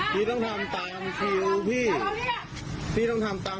พี่ต้องทำตามพี่ต้องใจเย็น